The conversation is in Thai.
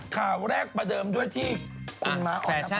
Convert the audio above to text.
ข่าวแรกประเดิมด้วยที่คุณม้าออกมา